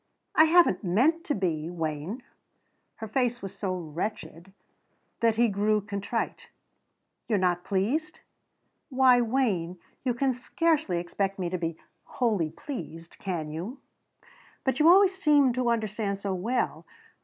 "I haven't meant to be, Wayne." Her face was so wretched that he grew contrite. "You're not pleased?" "Why, Wayne, you can scarcely expect me to be wholly pleased, can you?" "But you always seemed to understand so well.